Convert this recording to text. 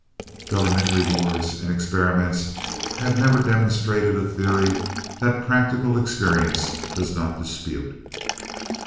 Government rewards and experiments have never demonstrated a theory that practical experience does not dispute.